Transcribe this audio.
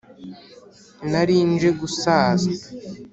nari nje gusaza.